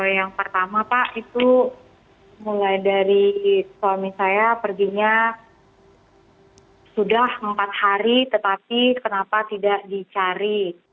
yang pertama pak itu mulai dari suami saya perginya sudah empat hari tetapi kenapa tidak dicari